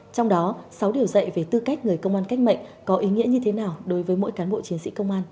trong đó sáu điều dạy về tư cách người công an cách mệnh có ý nghĩa như thế nào đối với mỗi cán bộ chiến sĩ công an